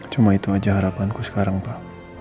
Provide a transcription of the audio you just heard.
cuma itu aja harapanku sekarang pak